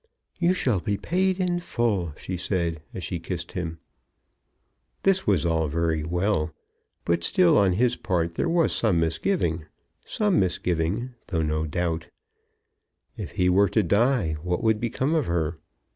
"You shall be paid in full," she said as she kissed him. This was all very well, but still on his part there was some misgiving, some misgiving, though no doubt. If he were to die what would become of her?